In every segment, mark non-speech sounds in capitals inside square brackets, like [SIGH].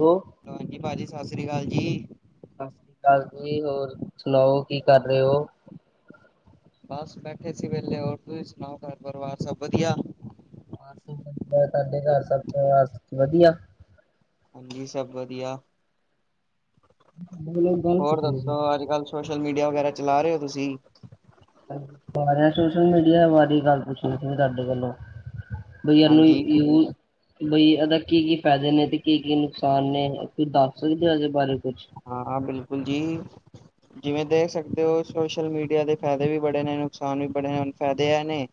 ਹੋ ਹਾਂਜੀ ਭਾਜੀ ਸਤਿ ਸ੍ਰੀ ਕਾਲ ਜੀ। ਸਤਿ ਸ਼੍ਰੀ ਕਾਲ ਜੀ ਹੋਰ ਸੁਣਾਓ ਕੀ ਕਰ ਰਹੇ ਓ? ਬਸ ਬੈਠੇ ਸੀ ਵੇਲੇ। ਹੋਰ ਤੁਸੀਂ ਸੁਣਾਓ ਘਰ ਪਰਿਵਾਰ ਸਭ ਵਧੀਆ? ਸਾਡੇ ਘਰ ਸਭ ਪਰਿਵਾਰ ਵਧੀਆ। ਹਾਂਜੀ ਸਭ ਵਧੀਆ। ਮੈਨੂੰ ਇੱਕ ਗੱਲ ਹੋਰ ਪੁੱਛਣੀ ਸੀ ਦੱਸੋ ਅੱਜ ਕੱਲ ਸੋਸ਼ਲ ਮੀਡੀਆ ਵਗੈਰਾ ਚਲਾ ਰਹੇ ਓ ਤੁਸੀਂ? ਬ ਸੋਸ਼ਲ ਮੀਡੀਆ ਵਾਰੇ, ਗੱਲ ਪੁੱਛਣੀ ਸੀ ਤਾਡੇ ਕੋਲੋਂ। ਬਈ ਯ ਨੂੰ ਹਾਂਜੀ ਇਹ [UNINTELLIGIBLE] ਬਈ ਇਹਦਾ ਕੀ ਕੀ ਫਾਇਦੇ ਨੇ, ਤੇ ਕੀ ਕੀ ਨੁਕਸਾਨ ਨੇ, ਤੁਸੀਂ ਦੱਸ ਸਕਦੇ ਓ? ਇਹਦੇ ਬਾਰੇ ਕੁਛ। ਹਾਂ-ਹਾਂ, ਬਿਲਕੁਲ ਜੀ। ਜਿਵੇਂ ਦੇਖ ਸਕਦੇ ਓ ਸੋਸ਼ਲ ਮੀਡੀਆ ਦੇ ਫੈਦੇ ਵੀ ਬੜੇ ਨੇ, ਨੁਕਸਾਨ ਵੀ ਬੜੇ ਨੇ, ਫੈਦੇ ਐ ਨੇ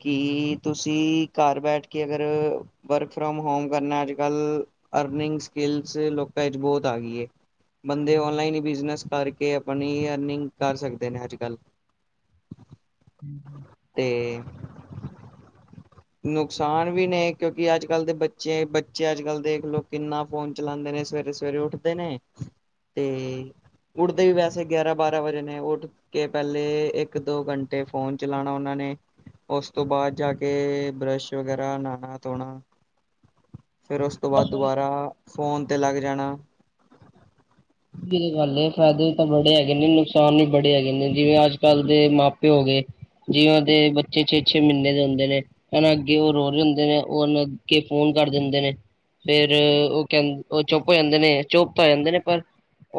ਕੀ ਤੁਸੀਂ, ਘਰ ਬੈਠ ਕੇ ਅਗਰ ਵਰਕ ਫਰੋਮ ਹੋਮ ਕਰਨਾ ਅੱਜ-ਕੱਲ੍ਹ, ਅਰਨਿੰਗ ਸਕਿੱਲਸ ਲੋਕਾਂ ਵਿੱਚ ਬਹੁਤ ਆ ਗਈ ਏ। ਬੰਦੇ ਓਨਲਾਈਨ ਹੀ ਬਿਜਨਸ ਕਰਕੇ ਆਪਣੀ, ਅਰਨਿੰਗ ਕਰ ਸਕਦੇ ਨੇ, ਅੱਜ-ਕੱਲ ਹੂੰ, ਹੂੰ [UNINTELLIGIBLE] ਤੇ ਨੁਕਸਾਨ ਵੀ ਨੇ, ਕਿਉਂਕਿ ਅੱਜ-ਕੱਲ੍ਹ ਦੇ ਬੱਚੇ, ਬੱਚੇ ਅੱਜ- ਕੱਲ੍ਹ ਦੇਖ ਲਓ ਕਿੰਨਾ ਫੋਨ ਚਲਾਂਦੇ ਨੇ ਸਵੇਰੇ ਸਵੇਰੇ ਉੱਠਦੇ ਨੇ, ਤੇ ਉੱਠਦੇ ਵੀ ਵੈਸੇ ਗਿਆਰਾਂ ਬਾਰਾਂ ਵਜੇ ਨੇ, ਉੱਠ ਕੇ ਪੈਲੇ, ਇੱਕ ਦੋ ਘੰਟੇ ਫੋਨ ਚਲਾਣਾ ਉਹਨਾਂ ਨੇ, ਉਸ ਤੋਂ ਬਾਅਦ ਜਾ ਕੇ ਬਰੱਸ਼ ਵਗੈਰਾ ਨਾਹਨਾ- ਧੋਣਾ, ਫੇਰ ਉਸ ਤੋਂ ਬਾਅਦ ਬਸ ਉਹੀ ਦੁਬਾਰਾ ਫੋਨ ਤੇ ਲੱਗ ਜਾਣਾ। ਗੱਲ ਏ ਫ਼ਾਇਦੇ ਤਾਂ ਬੜੇ ਹੈਗੇ ਨੇ, ਨੁਕਸਾਨ ਵੀ ਬੜੇ ਹੈਗੇ ਨੇ, ਜਿਵੇਂ ਅੱਜ-ਕੱਲ੍ਹ ਦੇ ਮਾ-ਪਿਓ ਹੋ ਗਏ ਜਿਨਾ ਦੇ ਬੱਚੇ ਛੇ-ਛੇ ਮਿੰਹਨੇ ਦੇ ਹੁੰਦੇ ਨੇ। ਹਨ ਅੱਗੇ ਉਹ ਰੋ ਰਹੇ ਹੁੰਦੇ ਨੇ, ਓਨੂੰ ਅੱਗੇ ਫੋਨ ਕਰ ਦਿੰਦੇ ਨੇ। ਫੇਰ ਉਹ ਕਹਿੰ ਉਹ ਚੁੱਪ ਹੋ ਜਾਂਦੇ ਨੇ, ਚੁੱਪ ਤਾਂ ਹੋ ਜਾਂਦੇ ਨੇ, ਪਰ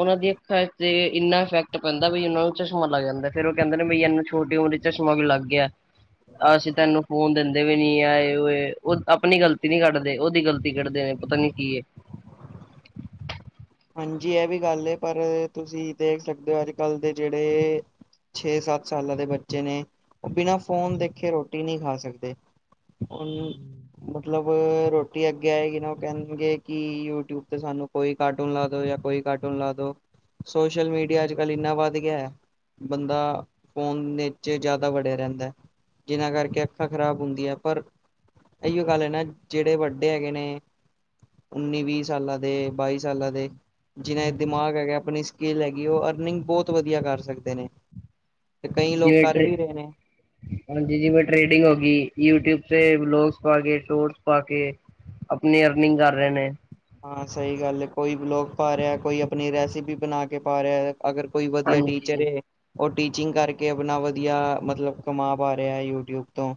ਓਨਾ ਦੀ ਅੱਖਾਂ ਤੇ, ਇੰਨਾ ਇਫੈਕਟ ਪੈਂਦਾ ਵੀ, ਉਹਨਾ ਨੂੰ ਚਸ਼ਮਾ ਲਗ ਜਾਂਦੈ ਫੇਰ ਉਹ ਕਹਿੰਦੇ ਨੇ ਬ ਏਨੀ ਛੋਟੀ ਉਮਰੀ ਚਸ਼ਮਾ ਲੱਗ ਗਿਆ। ਅਸੀਂ ਤੈਨੂੰ ਫੋਨ ਦਿੰਦੇ ਵੀ ਨੀ, ਆ ਏ ਓਏ ਆਪਣੀ ਗ਼ਲਤੀ ਨੀ ਕੱਢਦੇ, ਉਹਦੀ ਗਲਤੀ ਕੱਢਦੇ ਨੇ। ਪਤਾ ਨੀ ਕੀ ਏ। ਹਾਂਜੀ ਇਹ ਵੀ ਗੱਲ ਏ ਪਰ, ਤੁਸੀਂ ਦੇਖ ਸਕਦੇ ਓ ਅੱਜ-ਕੱਲ੍ਹ ਦੇ ਜਿਹੜੇ ਛੇ-ਸੱਤ ਸਾਲਾਂ ਦੇ ਬੱਚੇ ਨੇ, ਉਹ ਬਿਨਾਂ ਫ਼ੋਨ ਦੇਖੇ ਰੋਟੀ ਨੀਂ ਖਾ ਸਕਦੇ। ਓਨੂੰ ਮਤਲਬ, ਰੋਟੀ ਅੱਗੇ ਆਏਗੀ ਨਾ ਉਹ ਕੈਨਗੇ ਕੀ, ਯੂਟਿਊਬ ਤੇ ਸਾਨੂੰ ਕੋਈ ਕਡ ਕਾਰਟੂਨ ਲਗਾ ਦੋ ਜਾ, ਕੋਈ ਕਾਰਟੂਨ ਲਾਦੋ, ਸ਼ੋਸ਼ਲ ਮੀਡੀਆ ਅੱਜ-ਕਲ, ਇਨਾਂ ਧ ਗਿਆ, ਬੰਦਾ ਫੋਨ ਨੀਚੇ ਜਿਆਦਾ ਵੜਿਆ ਰਹਿੰਦੈ। ਜਿਨਾਂ ਕਰਕੇ ਅੱਖਾਂ ਖ਼ਰਾਬ ਹੁੰਦੀ ਹੈ ਪਰ, ਏਈਓ ਗੱਲ ਹੈ ਨਾ, ਜਿਹੜੇ ਵੱਡੇ ਹੈਗੇ ਨੇ ਉੱਨੀ, ਵੀਹ ਸਾਲਾਂ ਦੇ, ਬਾ ਸਾਲਾਂ ਦੇ, ਜਿਨੈ ਦਿਮਾਗ ਹੈਗਾ, ਆਪਨੀ ਸਕਿੱਲ ਹੈਗੀ, ਉਹ ਅਰਨਿੰਗ ਬਹੁਤ ਵਧੀਆ ਕਰ ਸਕਦੇ ਨੇ। ਤੇ ਕਈ ਲੋਕ ਕਰ [INAUDIBLE] ਵੀ ਰਹੇ ਨੇ ਹਾਂਜੀ, ਜੀਮੈਂ ਟ੍ਰੇਡਿੰਗ ਹੋ ਗੀ, ਯੂਟਿਊਬ ਤੇ ਬਲੋਗਸ ਪਾ ਕੇ, ਸ਼ੋਰਟਸ ਪਾ ਕੇ ਅਪਨੀ ਅਰਨਿੰਗ ਕਰ ਰਹੇ ਨੇ ਹਾਂ ਸਹੀ ਗੱਲ ਐ, ਕੋਈ ਵਲੋਗ ਪਾ ਰਿਹਾ, ਕੋਈ ਆਪਨੀ ਰੈਸੇਪੀ ਬਨਾ ਕੇ ਪਾ ਰਿਹਾ ਅਗਰ ਕੋਈ ਵਧੀਆ ਹਾਂਜੀ ਟੀਚਰ ਏ ਉਹ ਟੀਚਿੰਗ ਕਰਕੇ ਆਪਣਾ ਵਧੀਆ, ਮਤਲਬ ਕਮਾ ਪਾ ਰਿਆ ਯੂਟਿਊਬ ਤੋਂ।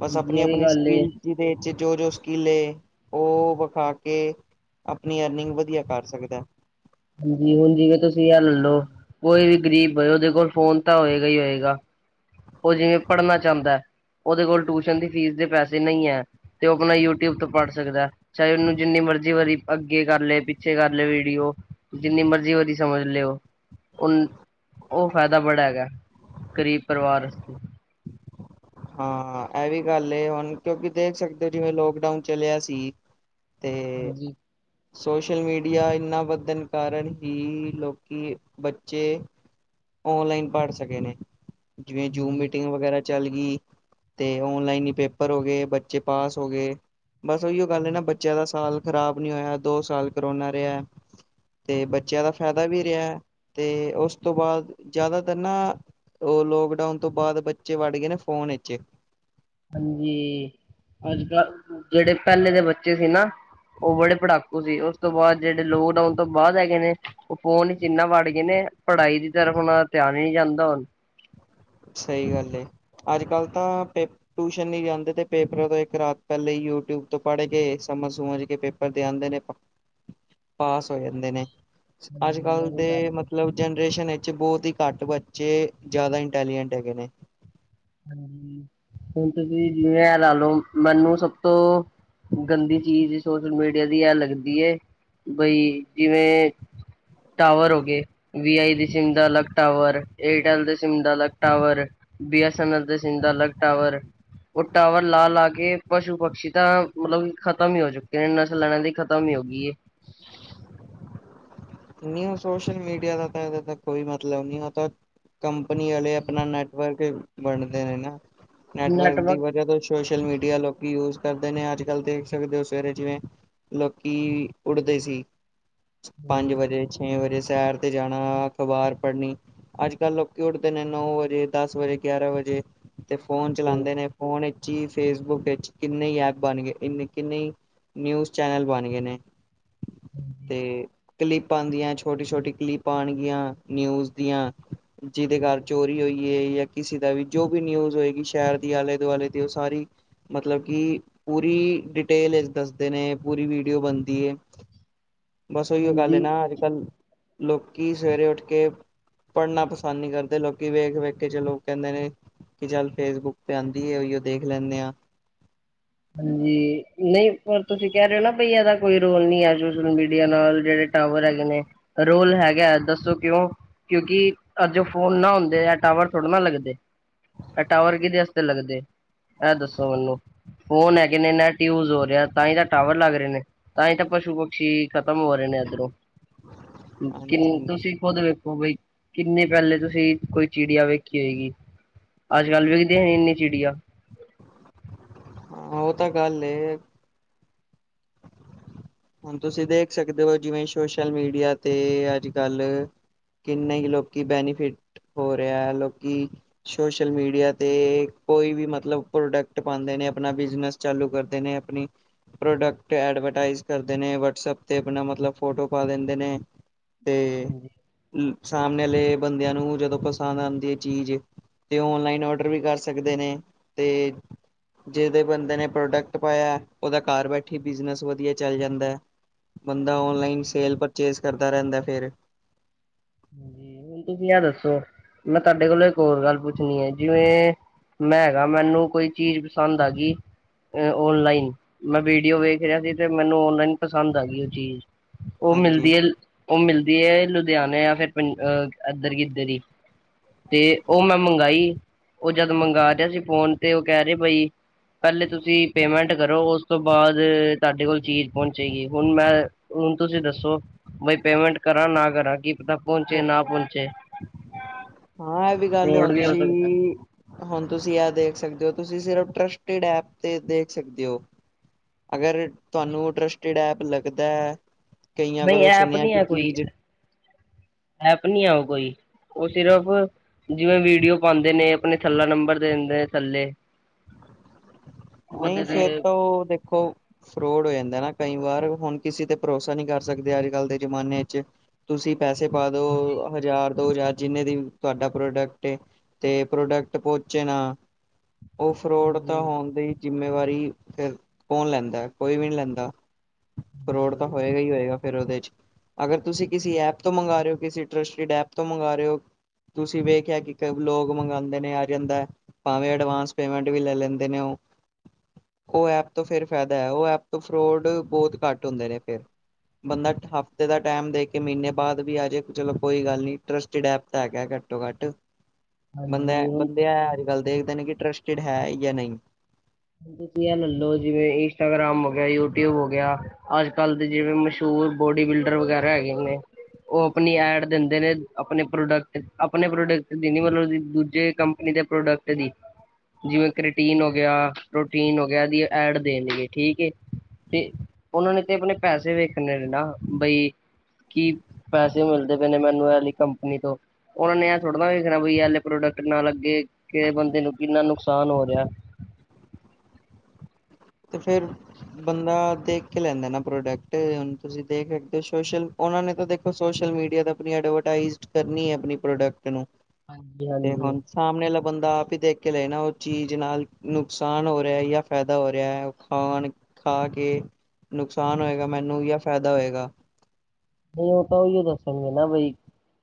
ਬਸ ਅਪਨੀ ਇਹ ਵੀ ਅਪਨੀ ਗੱਲ ਏ ਸਕਿੱਲ ਜਿਦੇ ਵਿੱਚ ਜੋ ਜੋ ਸਕਿੱਲ ਏ, ਉਹ ਵਿਖਾ ਕੇ ਕੇ, ਅਪਨੀ ਅਰਨਿੰਗ ਵਧੀਆ ਕਰ ਸਕਦਾ ਜੀ ਹੁਣ ਜਿਵੇਂ ਤੁਸੀਂ ਅ ਲ ਲਓ, ਕੋਈ ਵੀ ਗ਼ਰੀਬ ਹੋਏ, ਉਹਦੇ ਕੋਲ ਫੋਨ ਤਾਂ ਹੋਏਗਾ ਈ ਹੋਏਗਾ ਉਹ ਜਿਵੇਂ ਪੜ੍ਹਨਾ ਚਾਹੁੰਦੈ, ਓਦੇ ਕੋਲ ਟਿਊਸ਼ਨ ਦੀ ਫੀਸ ਦੇ ਪੈਸੇ ਨਈੰ ਐਂ ਤੇ ਉਹ ਆਪਣਾ ਯੂਟਿਊਬ ਤੋਂ ਪੜ੍ਹ ਸਕਦੈ, ਚਾਹੇ ਉਹਨੂੰ ਜਿੰਨੀ ਮਰਜ਼ੀ ਵਾਰੀ ਅੱਗੇ ਕਰ ਲਏ, ਪਿੱਛੇ ਕਰ ਲਏ ਵੀਡੀਓ, ਜਿੰਨੀ ਮਰਜ਼ੀ ਉਹਦੀ ਸਮਝ ਲਿਓ ਉ ਓ ਫੈਦੈ ਬੜਾ ਹੈਗੈ, ਗਰੀਬ ਪਰਿਵਾਰ ਹਾਂ, ਐ ਵੀ ਗੱਲ ਏ ਹੁਣ ਕਿਉਂਕਿ, ਦੇਖ ਸਕਦੇ ਹੋ ਜਿਵੇਂ ਲੋਕਡਾਊਨ ਚਲਿਆ ਸੀ ਤੇ ਹਾਂਜੀ ਸੋਸ਼ਲ ਮੀਡੀਆ ਇੰਨਾ ਵਧਣ ਕਾਰਨ ਹੀ, ਲੋਕੀ, ਬੱਚੇ ਓਨਲਾਈਨ ਪੜ ਸਕੇ ਨੇ। ਜਿਵੇਂ ਜੂਮ ਹਾਂਜੀ ਮੀਟਿੰਗ ਵਗੈਰਾ ਚੱਲ ਗੀ ਅਤੇ ਔਨਲਾਈਨ ਹੀ ਪੇਪਰ ਹੋਗੇ, ਬੱਚੇ ਪਾਸ ਹੋਗੇ। ਬਸ ਉਹੀਓ ਗੱਲ ਏ ਨਾ ਬੱਚਿਆਂ ਦਾ ਸਾਲ ਖ਼ਰਾਬ ਨਹੀਂ ਹੋਇਆ, ਦੋ ਸਾਲ ਕਰੋਨਾ ਰਿਹਾ ਤੇ ਬੱਚਿਆਂ ਦਾ ਫਾਇਦਾ ਵੀ ਰਿਹਾ। ਤੇ ਉਸ ਤੋਂ ਬਾਦ ਜ਼ਿਆਦਾਤਰ ਨਾ ਉਹ ਲੋਕਡਾਊਨ ਤੋਂ ਬਾਅਦ ਬੱਚੇ ਵੜ ਗਏ ਨੇ ਫੋਨ ਏਚ ਹਾਂਜੀ- ਅੱਜ ਕੱਲ ਜਿਹੜੇ ਪਹਿਲੇ ਦੇ ਬੱਚੇ ਸੀ ਨਾ ਉਹ ਬੜੇ ਪੜਾਕੂ ਸੀ। ਉਸ ਤੋਂ ਬਾਦ ਜਿਹੜੇ ਲੋਕਡਾਊਨ ਤੋਂ ਬਾਅਦ ਹੈਗੇ ਨੇ ਉਹ ਫੋਨ ਚ ਇਨਾ ਵੜ ਗਏ ਨੇ ਪੜ੍ਹਾਈ ਦੀ ਤਰਫ ੳਨਾ ਧਿਆਨ ਹੀ ਨੀ ਜਾਂਦਾ ਹੁਨ ਸਹੀ ਗੱਲ ਏ। ਅੱਜ ਕੱਲ੍ਹ ਤਾਂ ਪੇ ਟਿਊਸ਼ਨ ਨੀ ਜਾਂਦੇ ਤੇ ਪੇਪਰਾਂ ਤੋਂ ਇੱਕ ਰਾਤ ਪਹਿਲੇ ਹੀ ਯੂਟਿਊਬ ਤੋਂ ਪੜ੍ਹ ਕੇ ਸਮਝ-ਸਮੁਝ ਕੇ ਪੇਪਰ ਦੇ ਆਂਦੇ ਨੇ [INAUDIBLE] ਪਾਸ ਹੋ ਜਾਂਦੇ ਨੇ ਹਾਂਜੀ ਅੱਜ-ਕੱਲ੍ਹ ਇਹ ਵੀ ਗੱਲ ਦੇ ਏ ਮਤਲਬ ਜਨਰੇਸ਼ਨ ਵਿੱਚ ਬਹੁਤ ਹੀ ਘੱਟ ਬੱਚੇ ਜ਼ਿਆਦਾ ਇਠ ਟੈਲੀਗੇਂਟ ਹੈਗੇ ਨੇ ਹਾਂਜੀ ਹੁਣ ਤੁਸੀ ਜਿਵੇ ਲਾ ਲਓ ਮੈਨੂੰ ਸਭ ਤੋਂ ਗੰਦੀ ਚੀਜ਼ ਸੋਸ਼ਲ ਮੀਡੀਆ ਦੀ ਐ ਲੱਗਦੀ ੲ ਬਈ ਜਿਵੇ ਟਾਵਰ ਹੋਗੇ ਵੀ ਆਈ ਦੀ ਸਿੰਮ ਦਾ ਅਲੱਗ ਟਾਵਰ। ਏਰਟੈਲ ਦੇ ਸਿੰਮ ਦਾ ਅਲੱਗ ਟਾਵਰ। ਬੀ ਏਸ ਸਨਦ ਦੇ ਸਿੰਮ ਦਾ ਅਲਗ ਟਾਵਰ- ਉਹ ਟਾਵਰ ਲਾ-ਲਾ ਕੇ ਪਸ਼ੂ ਪਕਸ਼ੀ ਤਾਂ ਮਤਲਬ ਖਤਮ ਹੀ ਹੋ ਚੁੱਕੇ ਨੇ। ਨਸਲ ਲੈਣਾ ਐਨਾ ਦੀ ਖ਼ਤਮ ਹੀ ਹੋ ਗਈ ਏ ਨਹੀ ਸੋਸ਼ਲ ਮੀਡੀਆ ਦਾ ਤਾਂ ਇਹ ਦਾ ਕੋਈ ਮਤਲਬ ਨਹੀਂ ਉਹਤਾ ਕੰਪ- ਨੀ ਵਾਲੇ ਆਪਣਾ ਨੈਟਵਰਕ ਵੰਡਦੇ ਨੇ ਨਾ। ਨੈਟਵਰਕ ਦੀ ਵਜ੍ਹਾ ਤੋਂ ਸ਼- ਸੋਸ਼ਲ ਮੀਡੀਆ ਲੋਕੀ ਯੂਜ ਕਰਦੇ ਨੇ ਅੱਜ-ਕੱਲ੍ਹ ਦੇਖ ਸਕਦੇ ਹੋ, ਸਵੇਰੇ ਜਿਵੇਂ ਲੋਕੀ ਉੱਠਦੇ ਸੀ ਪੰਜ ਵਜੇ, ਛੇ ਵਜੇ, ਸੈਰ ਤੇ ਜਾਣਾ ਅਖ਼ਬਾਰ ਪੜ੍ਹਨੀ ਅੱਜ-ਕੱਲ੍ਹ ਲੋਕੀ ਉੱਠਦੇ ਨੇ ਨੌ ਵਜੇ, ਦਸ ਵਜੇ, ਗਿਆਰਾਂ ਵਜੇ ਤੇ ਫੋਨ ਚਲਾਦੇ ਨੇ ਫੋਨ ਏ ਫੇਸਬੁੱਕ ਕਿੰਨੇ ਐਪ ਬਣ ਗਏੰ ਨੇ ਕਿੰਨੇ ਨਿਊਜ ਚੈਨਲ ਬਨ ਗਏ ਨੇ ਤੇ ਕਲਿੱਪ ਆੰਦੀਆਂ ਛੋਟੀ-ਛੋਟੀ ਕਲਿੱਪ ਆਣਗੀਆਂ ਨਿਊਜ ਦੀਆਂ ਜਿਦੇ ਘਰ ਚੋਰੀ ਹੋਈਏ ਯਾ ਕਿਸੇ ਦਾ ਵੀ ਜੋ ਵੀ ਨਿਊਜ਼ ਹੋਏਗੀ, ਸ਼ਹਿਰ ਦੀ ਆਲੇ-ਦੁਆਲੇ ਦੀ, ਓ ਸਾਰੀ ਮਤਲਬ ਕਿ ਪੂਰੀ ਡਿਟੇਲ ਚ ਦੱਸਦੇ ਨੇ ਪੂਰੀ ਵੀਡੀਓ ਬਣਦੀ ਏ ਬਸ ਉਹੀਓ ਗੱਲ ਏ ਹਾਂਜੀ ਨਾ ਅੱਜ-ਕੱਲ੍ਹ ਲੋਕੀ ਸਵੇਰੇ ਉੱਠ ਕੇ ਪੜ੍ਹਨਾ ਪਸੰਦ ਨਹੀਂ ਕਰਦੇ ਲੋਕੀ ਵੇਖ-ਵੇਖ ਕੇ ਚਲੋ ਕਹਿੰਦੇ ਨੇ ਕਿ ਚੱਲ ਫੇਸਬੁੱਕ ਤੇ ਆਂਦੀ ਏ ਚੱਲ ਉਇਓ ਦੇਖ ਲੈਂਣੇ ਆ- ਹਾਂਜੀ ਨਹੀਂ ਪਰ ਤੁਸੀਂ ਕਹਿ ਰਹੇ ਹੋ ਨਾ ਬਈ ਇਹਦਾ ਕੋਈ ਰੋਲ ਨਹੀਂ ਆ ਸੋਸ਼ਲ ਮੀਡੀਆ ਨਾਲ ਜਿਹੜੇ ਟਾਵਰ ਹੈਗੇ ਨੇ ਰੋਲ ਹੈਗਾ ਦੱਸੋ ਕਿਉਂ ਕਿਉਂਕਿ ਅੱਜ ਫੋਨ ਨਾ ਹੁੰਦੇ ਆ ਟਾਵਰ ਥੋੜ੍ਹੇ ਨਾ ਲੱਗਦੇ ਇਹ ਟਾਵਰ ਕਿਹਦੇ ਵਾਸਤੇ ਲੱਗਦੇ ਇਹ ਦੱਸੋ ਮੈਨੂੰ ਫੋਨ ਹੈਗੇ ਨੇ ਨੈਟ ਯੂਜ ਹੋ ਰਿਹਾ ਤਾਂ ਹੀ ਤਾਂ ਟਾਵਰ ਲੱਗ ਰਹੇ ਨੇ ਤਾਂ ਹੀ ਤਾਂ ਪਸ਼ੂ ਪਕਸ਼ੀ ਖ਼ਤਮ ਹੋ ਰਹੇ ਨੇ ਇੱਧਰੋਂ ਕਿ ਹਾਂਜੀ ਤੁਸੀਂ ਖੁਦ ਵੇਖੋ ਬਈ ਕਿੰਨੇ ਪਹਿਲੇ ਤੁਸੀਂ ਕੋਈ ਚਿੜੀਆ ਵੇਖੀ ਹੋਏਗੀ ਅੱਜ-ਕੱਲ੍ਹ ਵੇਖਦੇ ਇੰਨੀ ਚਿੜੀਆਂ ਹਾਂ ਉਹ ਤਾਂ ਗੱਲ ਏ ਹੁਣ ਤੁਸੀਂ ਦੇਖ ਸਕਦੇ ਹੋ, ਜਿਵੇਂ ਸੋਸ਼ਲ ਮੀਡੀਆ ਤੇ ਅੱਜ- ਕੱਲ ਕਿੰਨੇ ਹੀ ਲੋਕੀ ਬੈਨੀਫਿਟ ਹੋ ਰਿਹਾ ਹੈ ਲੋਕੀ ਸੋਸ਼ਲ ਮੀਡੀਆ ਤੇ ਕੋਈ ਵੀ ਮਤਲਬ ਪ੍ਰੋਡਕਟ ਪਾਦੇ ਨੇ ਆਪਣਾ ਬਿਜਨਸ ਚਾਲੂ ਕਰਦੇ ਨੇ ਆਪਣੀ ਪ੍ਰੋਡਕਟ ਐਡਵਰਟਾਈਜ਼ ਕਰਦੇ ਨੇ ਵਟਸਪ ਤੇ ਆਪਣਾ ਮਤਲਬ ਫੋਟੋ ਪਾ ਦਿੰਦੇ ਨੇ ਹਾਂਜੀ ਸਾਹਮਣੇ ਲੇ ਬੰਦਿਆਂ ਨੂੰ ਜਦੋਂ ਪਸੰਦ ਆਉਂਦੀ ਹੈ ਚੀਜ਼ ਤੇ ਔਨਲਾਈਨ ਔਡਰ ਵੀ ਕਰ ਸਕਦੇ ਨੇ ਤੇ ਜਿਹਦੇ ਬੰਦੇ ਨੇ ਪ੍ਰੋਡਕਟ ਪਾਇਆ ਉਹਦਾ ਘਰ ਬੈਠੀ ਬਿਜਨਸ ਵਧੀਆ ਚੱਲ ਜਾਂਦਾ ਹੈ ਬੰਦਾ ਔਨਲਾਈਨ ਸੇਲ ਪਰਚੇਸ ਕਰਦਾ ਰਹਿੰਦਾ ਫੇਿਰ ਜੀ ਹੁਣ ਤੁਸੀਂ ਆ ਦੱਸੋ ਮੈਂ ਤੁਹਾਡੇ ਕੋਲੋਂ ਇੱਕ ਹੋਰ ਗੱਲ ਪੁੱਛਣੀ ਹੈ ਜਿਵੇਂ ਮੈਂ ਹੈਗਾ ਮੈਨੂੰ ਕੋਈ ਚੀਜ਼ ਪਸੰਦ ਆਗੀ ਔਨਲਾਈਨ ਮੈਂ ਵੀਡੀਓ ਵੇਖ ਰਿਹਾ ਸੀ ਤੇ ਮੈਨੂੰ ਓਨਲਾਈਨ ਪਸੰਦ ਆ ਗਈ ਉਹ ਚੀਜ਼ ਉਹ ਹਾਂਜੀ ਮਿਲਦੀ ਹੈ ਉਹ ਮਿਲਦੀ ਹੈ ਲੁਧਿਆਣੇ ਯਾ ਫਿਰ ਇੱਧਰ ਕਿਧਰ ਹੀ ਤੇ ਉਹ ਮੈਂ ਮੰਗਾਈ ਉਹ ਜਦ ਮੰਗਾ ਰਿਹਾ ਸੀ ਫੋਨ ਤੇ ਉਹ ਕਹਿ ਰਹੇ ਬਈ ਪਹਿਲੇ ਤੁਸੀਂ ਪੇਮੈਂਟ ਕਰੋ ਉਸ ਤੋਂ ਬਾਅਦ ਤੁਹਾਡੇ ਕੋਲ ਚੀਜ਼ ਪਹੁੰਚੇਗੀ ਹੁਣ ਮੈਂ ਹੁਣ ਤੁਸੀਂ ਦੱਸੋ ਬਈ ਪੇਮੈਂਟ ਕਰਾਂ ਨਾ ਕਰਾਂ ਕੀ ਪਤਾ ਪਹੁੰਚੇ ਨਾ ਪਹੁੰਚ ਹਾਂ ਇਹ ਵੀ ਗੱਲ ਫਰੋਡ ਹੁਣ ਵੀ ਹੋ ਤੁਸੀਂ ਸਕਦਾ ਹੁਣ ਤੁਸੀਂ ਆ ਦੇਖ ਸਕਦੇ ਹੋ ਤੁਸੀਂ ਸਿਰਫ ਟਰਸਟਡ ਐਪ ਤੇ ਦੇਖ ਸਕਦੇ ਹੋ [INAUDIBLE] ਅਗਰ ਤੁਹਾਨੂੰ ਟਰਸਟਡ ਐਪ ਲੱਗਦਾ ਹੈ ਕਈਆਂ ਨਹੀਂ ਕੋਲੋਂ ਐਪ ਸੁਣਿਆ ਨੀ ਕਿ ਹੈ ਕੋਈ ਚੀਜ਼ ਐਪ ਨੀ ਆ ਕੋਈ ਉਹ ਸਿਰਫ ਜਿਵੇਂ ਵੀਡੀਓ ਪਾਉਂਦੇ ਨੇ ਆਪਣੇ ਥੱਲਾ ਨੰਬਰ ਦਿੰਦੇ ਨੇ ਥੱਲੇ ਨਹੀਂ ਉਹਦੇ ਤੇ ਫੇਿਰ ਤੋਂ ਦੇਖੋ ਫਰੋਡ ਹੋ ਜਾਂਦਾ ਨਾ ਕਈ ਵਾਰ ਹੁਣ ਕਿਸੇ ਤੇ ਭਰੋਸਾ ਨਹੀਂ ਕਰ ਸਕਦੇ ਅੱਜ ਕੱਲ ਦੇ ਜ਼ਮਾਨੇ ਚ ਤੁਸੀਂ ਪੈਸੇ ਪਾ ਦੋ ਹਜ਼ਾਰ ਦੋ ਯਾਰ ਜਿੰਨੇ ਦੀ ਤੁਹਾਡਾ ਪ੍ਰੋਡਕਟ ਤੇ ਪ੍ਰੋਡਕਟ ਪਹੂਚੇ ਨਾ ਉਹ ਫਰੋਡ ਤਾਂ ਹਾਂਜੀ ਹੋਣ ਦੀ ਜਿੰਮੇਵਾਰੀ ਫਿਰ ਕੌਣ ਲੈਂਦਾ ਹੈ ਕੋਈ ਵੀ ਨਹੀਂ ਲੈਂਦਾ ਫਰੋਡ ਤਾਂ ਹਾਂਜੀ ਹੋਏਗਾ ਹੀ ਹੋਏਗਾ ਫਿਰ ੳਦੇ ਚ ਅਗਰ ਤੁਸੀਂ ਕਿਸੀ ਐਪ ਤੋਂ ਮੰਗਵਾ ਰਹੇ ਹੋ ਕਿਸੀ ਟਰਸਟਡ ਐਪ ਤੋਂ ਮੰਗਵਾ ਰਹੋ ਹੋ ਤੁਸੀਂ ਵੇਖਿਆ ਕਿ ਲੋਕ ਮੰਗਵਾਉਂਦੇ ਨੇ ਆ ਜਾਂਦਾ ਭਾਵੇਂ ਅਡਵਾਂਸ ਪੇਮੈਂਟ ਵੀ ਲੈ ਲੈਂਦੇ ਨੇ ਉਹ ਉਹ ਐਪ ਤੋਂ ਫਿਰ ਫਾਇਦਾ ਹੈ ਉਹ ਐਪ ਤੋਂ ਫਰੋਡ ਬਹੁਤ ਘੱਟ ਹੁੰਦੇ ਨੇ ਫਿਰ ਬੰਦਾ ਹਫਤੇ ਦਾ ਟਾਈਮ ਦੇ ਕੇ ਮਹੀਨੇ ਬਾਅਦ ਵੀ ਆ ਜਾਏ ਚਲੋ ਕੋਈ ਗੱਲ ਨਹੀਂ ਟਰਸਟਡ ਐਪ ਤੇ ਹੈਗਾ ਘੱਟੋ ਘਟ [INAUDIBLE] ਬੰਦੇ ਹੈ ਹੁਣ ਬੰਦੇ ਹੈ ਅੱਜ ਕੱਲ੍ਹ ਦੇਖਦੇ ਨੇ ਕਿ ਇੰਟਰਸਟਿਡ ਹੈ ਜਾਂ ਨਹੀਂ ਤੁਸੀਂ ਇਹ ਲੈਲਓ ਜਿਵੇਂ ਇੰਸਟਾਗ੍ਰਾਮ ਹੋ ਗਿਆ ਯੂਟਿਊਬ ਹੋ ਗਿਆ ਅੱਜ ਕੱਲ ਦੇ ਜਿਵੇਂ ਮਸ਼ਹੂਰ ਬੋਡੀ ਬਿਲਡਰ ਵਗੈਰਾ ਹੈਗੇ ਨੇ ਉਹ ਆਪਣੀ ਐਡ ਦਿੰਦੇ ਨੇ ਆਪਣੇ ਪ੍ਰੋਡਕਟ ਆਪਣੇ ਪ੍ਰੋਡਕਟ ਦੀ ਨਹੀ ਮਤਲਬ ਦੂਜੇ ਕੰਮ ਦੇ ਪ੍ਰੋਡਕਟ ਦੀ ਜਿਵੇਂ ਕਰੀਟੀਨ ਹੋ ਗਿਆ ਪ੍ਰੋਟੀਨ ਹੋ ਗਿਆ ਏਦੀ ਐਡ ਦੇਣਗੇ ਠੀਕ ਹੈ ਤੇ ਉਹਨਾਂ ਨੇ ਤੇ ਆਪਣੇ ਪੈਸੇ ਵੇਖ ਨਾ ਬਈ ਕੀ ਪੈਸੇ ਮਿਲਦੇ ਪਏ ਨੇ ਮੈਨੂੰ ਇਹਲੀ ਕੰਪਨੀ ਤੋਂ ਓਨੇ ਐ ਥੋੜ੍ਹਾ ਨਾ ਵੇਖਣਾ ਬਈ ਏਨਾ ਪ੍ਰੋਡਕਟ ਨਾ ਲੱਗੇ ਕਿ ਬੰਦੇ ਨੂੰ ਕਿੰਨਾ ਨੁਕਸਾਨ ਹੋ ਰਿਆ ਤੇ ਫੇਰ ਬੰਦਾ ਦੇਖ ਕੇ ਲੈਂਦਾ ਨਾ ਪ੍ਰੋਡਕਟ। ਹੁਣ ਤੁਸੀਂ ਦੇਖ ਸਕਦੇ ਹੋ ਸੋਸ਼ਲ ਉਹਨਾਂ ਨੇ ਤਾਂ ਦੇਖ ਸੋਸ਼ਲ ਮੀਡੀਆ ਤੇ ਆਪਣੀ ਐਡਵਰਟਾਈਜ਼ ਕਰਨੀ ਐ ਆਪਣੀ ਪ੍ਰੋਡਕਟ ਨੂੰ, ਹਾਂਜੀ ਤੇ ਹਾਂਜੀ ਹੁਣ ਸਾਮਣੇ ਅਲਾ ਬੰਦਾ ਆਪ ਈ ਦੇਖ ਕੇ ਲਏ ਨਾ ਉਹ ਚੀਜ਼ ਨਾਲ ਨੁਕਸਾਨ ਹੋ ਰਿਆ ਯਾ ਫ਼ਾਇਦਾ ਹੋ ਰਿਆ। ਖਾਣ ਖਾ ਕੇ ਨੁਕਸਾਨ ਹੋਏਗਾ ਮੈਨੂੰ ਜਾਂ ਫ਼ਾਇਦਾ ਹੋਏਗਾ। ਨਈ ਉਹ ਤਾਂ ਉਈਓ ਦੱਸਣਗੇ ਨਾ ਬਈ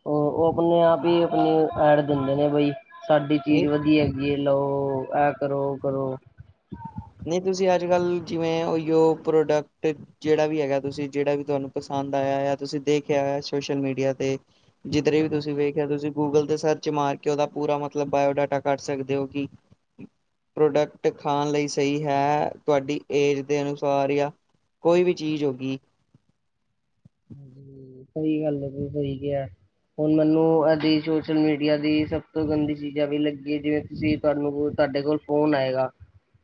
ਉਹ ਉਹ ਆਪਣੇ ਆਪ ਈ ਅਪਣੇ ਐਡ ਦਿੰਦੇ ਨੇ ਬਈ ਸਾਡੀ ਨਹੀਂ ਚੀਜ਼ ਵਧੀਆ ਹੈਗੀ ਏ ਲਓ। ਇਹ ਕਰੋ, ਉਹ ਕਰੋ। ਨਈ ਤੁਸੀਂ ਅੱਜ ਕੱਲ੍ਹ ਜਿਵੇਂ ਉਈਓ ਪ੍ਰੋਡਕਟ ਜੇੜਾ ਵੀ ਹੈਗਾ ਤੁਸੀਂ ਜੇੜਾ ਵੀ ਤੁਆਨੂੰ ਪਸੰਦ ਆਇਆ। ਤੁਸੀਂ ਦੇਖਿਆ ਸੋਸ਼ਲ ਮੀਡੀਆ ਤੇ ਜਿੱਧਰੇ ਵੀ ਤੁਸੀਂ ਹਾਂਜੀ ਵੇਖਿਆ ਤੁਸੀਂ ਗੂਗਲ ਤੇ ਸਰਚ ਮਾਰ ਕੇ ਉਦਾ ਪੂਰਾ ਮਤਲਬ ਬਾਇਓਡਾਟਾ ਕੱਢ ਸਕਦੇ ਓ ਕਿ ਪ੍ਰੋਡਕਟ ਖਾਣ ਲਈ ਸਈ ਹੈ, ਤੁਆਡੀ ਏਜ ਦੇ ਅਨੁਸਾਰ ਜਾ ਕੋਈ ਵੀ ਚੀਜ਼ ਹੋਗੀ। ਸਈ ਗੱਲ ਐ ਜੀ, ਸਈ ਕਿਐ । ਹੁਣ ਮੈਨੂੰ ਐਦੀ ਸੋਸ਼ਲ ਮੀਡੀਆ ਦੀ ਸਭ ਤੋਂ ਗੰਦੀ ਚੀਜ ਐ ਵੀ ਲੱਗੀ ਐ, ਜਿਵੇਂ ਤੁਸੀਂ ਤੁਆਨੂੰ ਤੁਆਡੇ ਕੋਲ ਫੋਨ ਆਏਗਾ।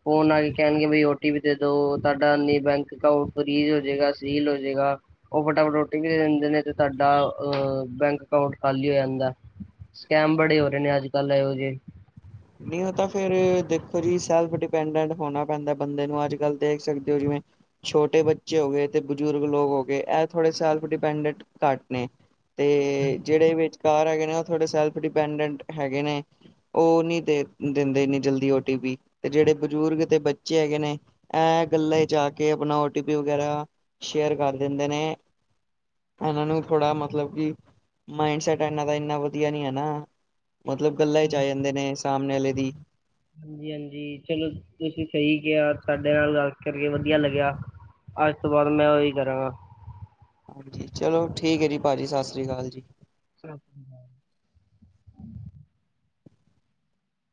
ਫੋਨ ਲਾ ਕੇ ਕਹਿਣਗੇ ਬਈ ਓ ਟੀ ਪੀ ਦੇ ਦੋ, ਤਾਡਾ ਬੈਂਕ ਅਕਾਂਟ ਫਰੀਜ਼ ਹੋਜੇਗਾ, ਸੀਲ ਹੋਜੇਗਾ। ਉਹ ਫਟਾਫਟ ਓ ਟੀ ਪੀ ਦੇ ਦਿੰਦੇ ਨੇ, ਤੇ ਤਾਡਾ ਅ ਬੈਂਕ ਅਕਾਊਂਟ ਖਾਲੀ ਹੋ ਜਾਂਦਾ। ਸਕੈਮ ਬੜੇ ਹੋ ਰਏ ਨੇ, ਅੱਜ ਕੱਲ੍ਹ ਇਹੋ ਜੇ । ਨਈ ਉਹ ਤਾਂ ਫੇਰ ਦੇਖੋ ਜੀ ਸੈਲਫ ਡਿਪੈਂਡੈਂਟ ਹੋਣਾ ਪੈਂਦਾ ਬੰਦੇ ਨੂੰ, ਅੱਜ- ਕੱਲ ਦੇਖ ਸਕਦੇ ਹੋ ਜਿਵੇਂ ਛੋਟੇ ਬੱਚੇ ਹੋਗੇ, ਤੇ ਬਜ਼ੁਰਗ ਲੋਕ ਹੋਗੇ, ਐ ਥੋੜੇ ਸੈਲਫ ਡਿਪੈਂਡਟ ਘੱਟ ਨੇ। ਤੇ ਜਿਹੜੇ ਵਿਚਕਾਰ ਹੈਗੇ ਨੇ, ਉਹ ਥੋੜ੍ਹੇ ਸੈਲਫ ਡਿਪੈਂਡੈਂਟ ਹੈਗੇ ਨੇ, ਉਹ ਨੀ ਦਿੰਦੇ ਏਨੀ ਜਲਦੀ ਓ ਟੀ ਪੀ, ਤੇ ਜਿਹੜੇ ਬਜ਼ੁਰਗ ਤੇ ਬੱਚੇ ਹੈਗੇ ਨੇ ਐ ਗੱਲਾਂ ਚ ਆ ਕੇ ਆਪਣਾ ਓਟੀਪੀ ਵਗੈਰਾ ਸ਼ੇਅਰ ਕਰ ਦਿੰਦੇ ਨੇ। ਏਨਾ ਨੂੰ ਥੋੜ੍ਹਾ ਮਤਲਬ ਕਿ ਮਾਇਡ ਸੈਟ ਏਨਾ ਦਾ ਇੰਨਾ ਵਧੀਆ ਨੀ ਐ ਨਾ। ਮਤਲਬ ਗੱਲਾਂ ਵਿਚ ਆ ਜਾਂਦੇ ਨੇ, ਸਾਮਣੇ ਆਲੇ ਦੀ। ਹਾਂਜੀ -ਹਾਂਜੀ, ਚਲੋ ਤੁਸੀਂ ਸਹੀ ਕਿਆ, ਤਾਡੇ ਨਾਲ ਗੱਲ ਕਰਕੇ ਵਧੀਆ ਲੱਗਿਆ। ਅੱਜ ਤੋਂ ਬਾਅਦ ਮੈਂ ਓਹੀ ਕਰਾਂਗਾ। ਹਾਂਜੀ ਚਲੋ ਠੀਕ ਐ ਜੀ, ਭਾਜੀ ਸਸ ਰੀ ਕਾਲ ਜੀ। [UNINTELLIGIBLE]